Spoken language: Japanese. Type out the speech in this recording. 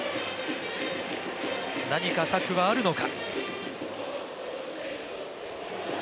何か作はあるのか。